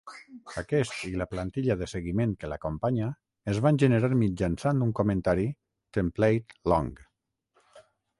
Aquest i la plantilla de seguiment que l'acompanya es van generar mitjançant un comentari Template:Long.